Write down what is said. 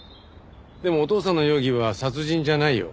でもお父さんの容疑は殺人じゃないよ。